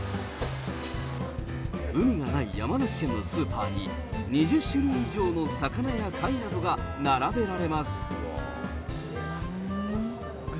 海がない山梨県のスーパーに、２０種類以上の魚や貝などが並べられます。